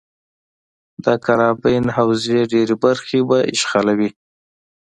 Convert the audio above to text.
د کارابین حوزې ډېرې برخې به اشغالوي.